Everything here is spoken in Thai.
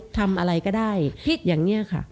ทำอะไรก็ได้คิดอย่างนี้ค่ะ